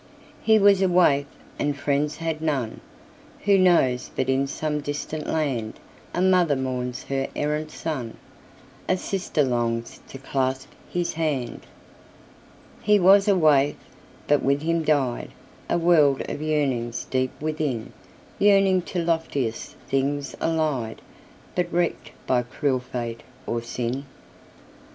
He was a waif, and friends had none; Who knows but in some distant landA mother mourns her errant son,A sister longs to clasp his hand? He was a waif, but with him diedA world of yearnings deep within—Yearning to loftiest things allied, But wrecked by cruel fate, or sin.